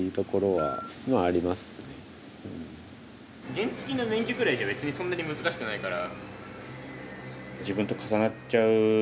原付の免許くらいじゃ別にそんなに難しくないから。